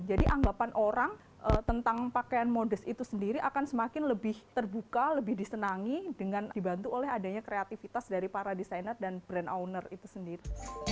jadi anggapan orang tentang pakaian modus itu sendiri akan semakin lebih terbuka lebih disenangi dengan dibantu oleh adanya kreativitas dari para desainer dan brand owner itu sendiri